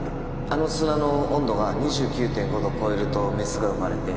あの砂の温度が ２９．５ 度超えるとメスが生まれて